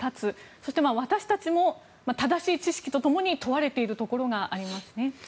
そして、私たちも正しい知識とともに問われているところがありますね。